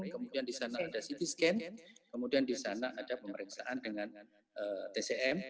kemudian di sana ada ct scan kemudian di sana ada pemeriksaan dengan tcm